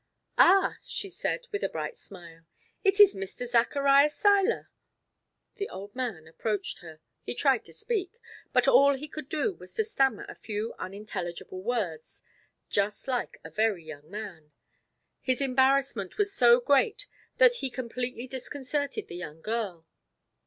"Ah!" she said, with a bright smile, "it is Mr. Zacharias Seiler!" The old man approached her he tried to speak but all he could do was to stammer a few unintelligible words, just like a very young man his embarrassment was so great that he completely disconcerted the young girl.